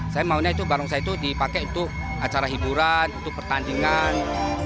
saya maunya itu barongsai itu dipakai untuk acara hiburan untuk pertandingan